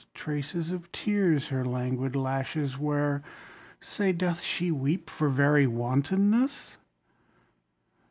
Traces of tears her languid lashes wear. Say, doth she weep for very wantonness?